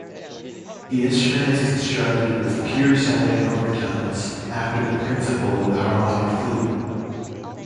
The instrument is constructed with pure sounding overtones, after the principle of the harmonic flute.